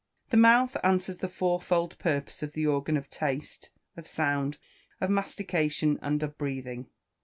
The mouth answers the fourfold purpose of the organ of taste, of sound, of mastication, and of breathing.